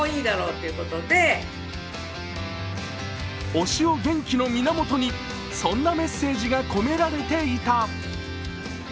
推しを元気の源に、そんなメッセージが込められていた。